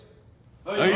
はい！